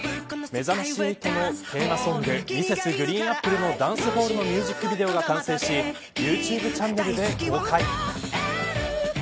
めざまし８のテーマソングＭｒｓ．ＧＲＥＥＮＡＰＰＬＥのダンスホールのミュージックビデオが完成しＹｏｕＴｕｂｅチャンネルで公開。